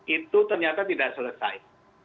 itu ternyata tidak selesai